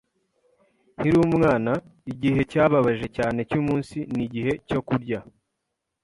Nkiri umwana, igihe cyababaje cyane cyumunsi ni igihe cyo kurya.